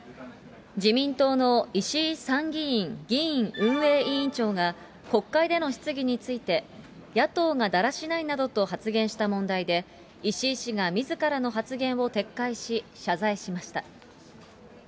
自民党の石井参議院議院運営委員長が、国会での質疑について、野党がだらしないなどと発言した問題で、石井氏がみずからの発言を撤回し、謝罪しました。